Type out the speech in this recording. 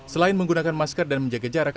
selain menggunakan masker dan menjaga jarak